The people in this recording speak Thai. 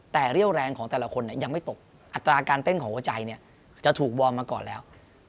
แต่เรี่ยวแรงของแต่ละคนยังไม่ตกอัตราการเต้นของหัวใจเนี่ยจะถูกวอร์มมาก่อนแล้ว